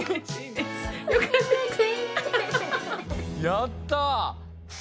やった！